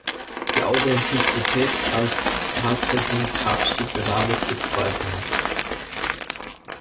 Die Authentizität als tatsächliche Grabstätte Davids ist zweifelhaft.